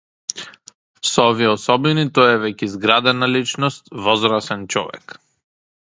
Со овие особини, тој е веќе изградена личност, возрасен човек.